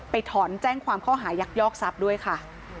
ถอนแจ้งความข้อหายักยอกทรัพย์ด้วยค่ะ